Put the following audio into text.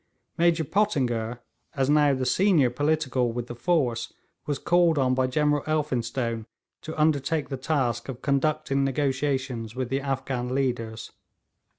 Major Pottinger, as now the senior 'political' with the force, was called on by General Elphinstone to undertake the task of conducting negotiations with the Afghan leaders.